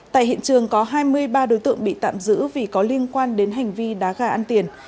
tại hiện trường có hai mươi ba đối tượng bị tạm giữ vì có liên quan đến hành vi đá gà ăn tiền